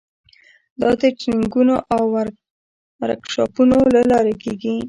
دا د ټریننګونو او ورکشاپونو له لارې کیږي.